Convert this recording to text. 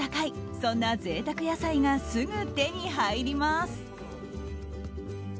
そんな贅沢野菜がすぐ手に入ります。